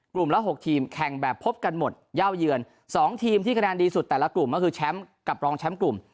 ละ๖ทีมแข่งแบบพบกันหมดเย่าเยือน๒ทีมที่คะแนนดีสุดแต่ละกลุ่มก็คือแชมป์กับรองแชมป์กลุ่ม